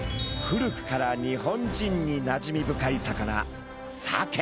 古くから日本人になじみ深い魚サケ。